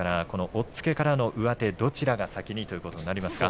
押っつけからの上手どちらが先にということになりますか。